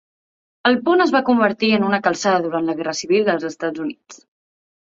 El pont es va convertir en una calçada durant la Guerra Civil dels Estats Units.